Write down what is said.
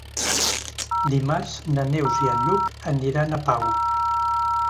Dimarts na Neus i en Lluc aniran a Pau.